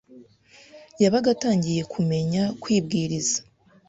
wabaga atangiye kumenya kwibwiriza